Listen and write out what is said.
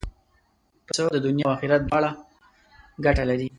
پسه د دنیا او آخرت دواړو ګټه لري.